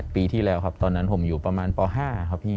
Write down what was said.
ปีที่แล้วครับตอนนั้นผมอยู่ประมาณป๕ครับพี่